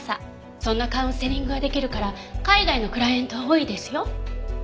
そんなカウンセリングができるから海外のクライエントは多いですよ。